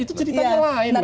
itu ceritanya lain memang